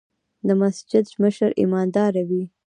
د مسجد مشر ايمانداره وي.